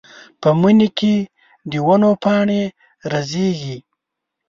په مني کې د ونو پاڼې رژېږي.